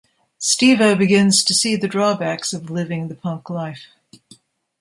Stevo begins to see the drawbacks of living the punk life.